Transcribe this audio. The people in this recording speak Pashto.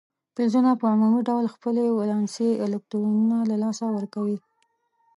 فلزونه په عمومي ډول خپل ولانسي الکترونونه له لاسه ورکوي.